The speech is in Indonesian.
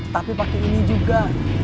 tapi pake ini juga